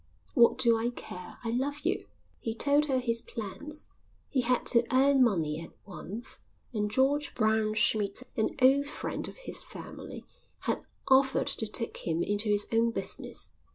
"What do I care? I love you." He told her his plans. He had to earn money at once, and George Braunschmidt, an old friend of his family, had offered to take him into his own business.